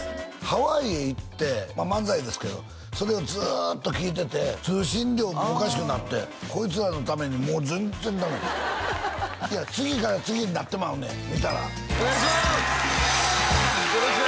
ハワイへ行って漫才ですけどそれをずっと聴いてて通信料もおかしくなってこいつらのためにもう全然ダメいや次から次になってまうねん見たらお願いします！